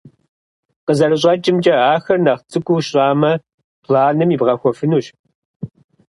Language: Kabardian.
КъызэрыщӀэкӀымкӀэ, ахэр нэхъ цӀыкӀуу щӀамэ, планым ибгъэхуэфынущ.